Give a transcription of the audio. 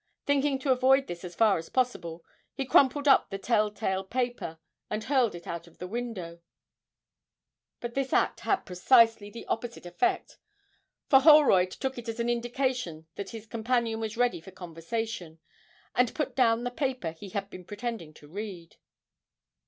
Thinking to avoid this as far as possible, he crumpled up the tell tale paper and hurled it out of window; but his act had precisely the opposite effect, for Holroyd took it as an indication that his companion was ready for conversation, and put down the paper he had been pretending to read.